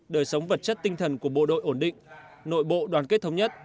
đời sống vật chất tinh thần của bộ đội ổn định nội bộ đoàn kết thống nhất